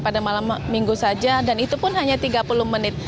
pada malam minggu saja dan itu pun hanya tiga puluh menit